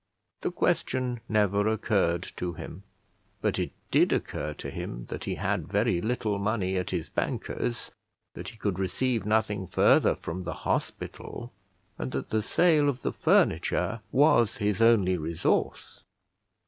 The question never occurred to him; but it did occur to him that he had very little money at his banker's, that he could receive nothing further from the hospital, and that the sale of the furniture was his only resource.